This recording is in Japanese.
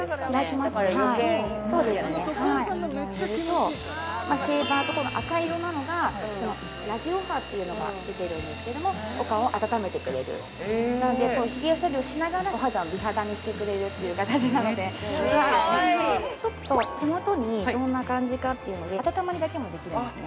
だから余計電源を入れるとシェーバーのとこが赤色なのがラジオ波っていうのが出てるんですけどもお顔を温めてくれるなんでヒゲ剃りをしながらお肌を美肌にしてくれるって形なのでちょっと手元にどんな感じかっていうので温まりだけもできるんですね